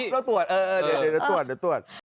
เราตรวจเดี๋ยวตรวจ